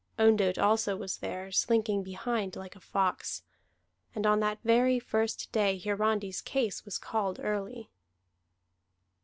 Ondott also was there, slinking behind like a fox. And on that very first day Hiarandi's case was called early.